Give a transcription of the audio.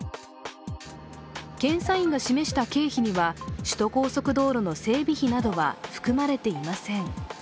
検査院が示した経費には、首都高速道路の整備費などは含まれていません。